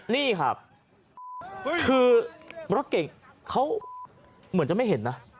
นี่ครับคือรถเก่งเขาเหมือนจะไม่เห็นนะ